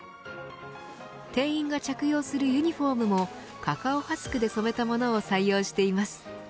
店員が着用するユニホームもカカオハスクで染めたものを採用しています。